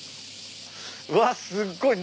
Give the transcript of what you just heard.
うわすっごい。